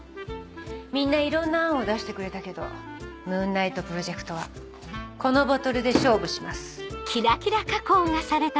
みんないろんな案を出してくれたけどムーンナイトプロジェクトはこのボトルで勝負します。